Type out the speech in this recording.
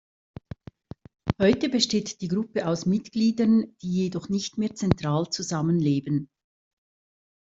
Heute besteht die Gruppe aus Mitgliedern, die jedoch nicht mehr zentral zusammenleben.